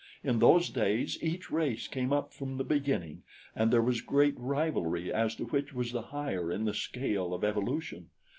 In those days each race came up from the beginning and there was great rivalry as to which was the higher in the scale of evolution.